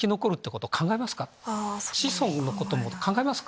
子孫のことも考えますか？